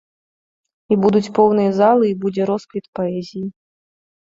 І будуць поўныя залы, і будзе росквіт паэзіі.